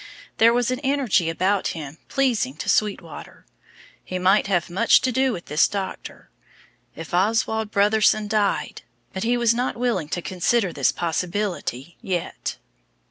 There was an energy about him pleasing to Sweetwater. He might have much to do with this doctor. If Oswald Brotherson died but he was not willing to consider this possibility yet.